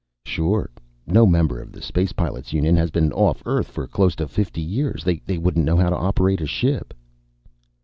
"Sure. No member of the spacepilot's union has been off Earth for close to fifty years. They wouldn't know how to operate a ship."